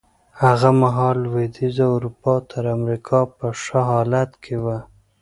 هغه مهال لوېدیځه اروپا تر امریکا په ښه حالت کې وه.